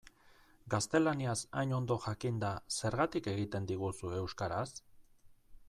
Gaztelaniaz hain ondo jakinda, zergatik egiten diguzu euskaraz?